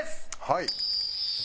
はい。